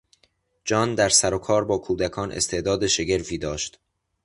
جان در سر و کار با کودکان استعداد شگرفی داشت.